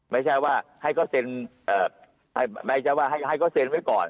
ไม่ใช่ว่าให้เขาเซ็นว่าให้เขาเซ็นไว้ก่อน